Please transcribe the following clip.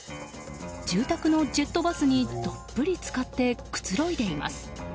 住宅のジェットバスにどっぷり浸かってくつろいでいます。